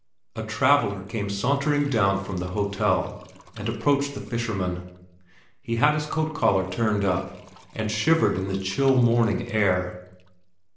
A traveller came sauntering down from the hotel, and approached the fishermen. He had his coat collar turned up, and shivered in the chill morning air.